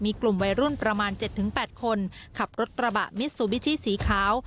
มีกลุ่มวัยรุ่นประมาณเจ็ดถึงแปดคนขับรถตระบะมิสซูบิชิสีขาว